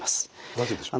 なぜでしょう？